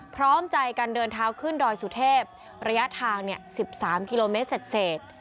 พร้อมใจกันเดินเท้าขึ้นดอยสุเทพระยะทาง๑๓กิโลเมตรเศษ